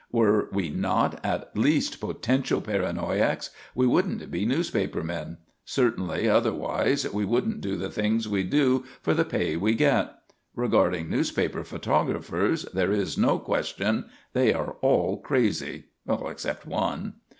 Were we not at least potential paranoiacs we wouldn't be newspaper men. Certainly otherwise we wouldn't do the things we do for the pay we get. Regarding newspaper photographers, there is no question. They are all crazy; except one.